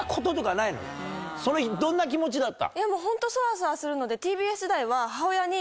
その日どんな気持ちだった？